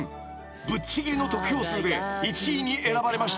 ［ぶっちぎりの得票数で１位に選ばれました］